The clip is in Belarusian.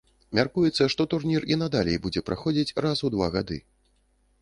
Мяркуецца, што турнір і надалей будзе праходзіць раз у два гады.